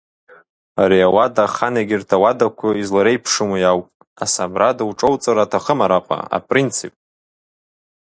Ари ауада ахан егьырҭ ауадақәа излареиԥшым уи ауп, асабрада уҿоуҵарц аҭахым араҟа, апринц.